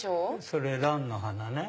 それランの花ね。